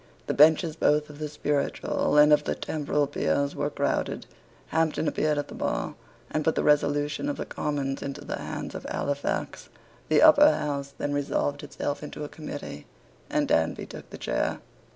The benches both of the spiritual and of the temporal peers were crowded. Hampden appeared at the bar, and put the resolution of the Commons into the hands of Halifax. The Upper House then resolved itself into a committee; and Danby took the chair.